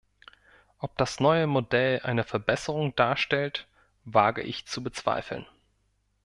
Ob das neue Modell eine Verbesserung darstellt, wage ich zu bezweifeln.